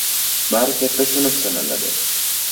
Bari katta sinf sanaladi!